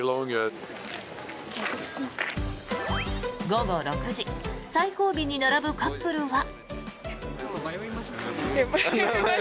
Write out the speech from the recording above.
午後６時最後尾に並ぶカップルは。